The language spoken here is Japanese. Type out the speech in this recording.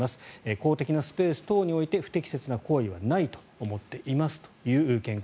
公的なスペース等において不適切な行為はないと思っていますという見解。